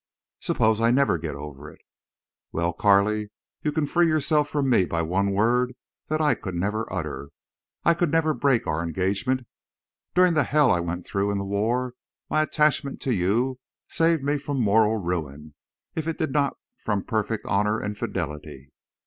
Suppose I never get over it? Well, Carley, you can free yourself from me by one word that I could never utter. I could never break our engagement. During the hell I went through in the war my attachment to you saved me from moral ruin, if it did not from perfect honor and fidelity.